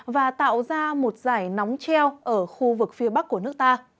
và tạo ra một giải nóng treo ở khu vực phía bắc của nước ta